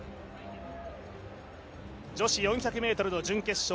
女子４００ｍの準決勝